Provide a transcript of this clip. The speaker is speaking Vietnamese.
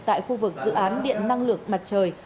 tại khu vực dự án điện năng lượng mặt trời